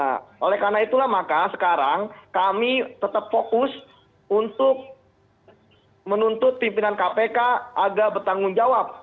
nah oleh karena itulah maka sekarang kami tetap fokus untuk menuntut pimpinan kpk agak bertanggung jawab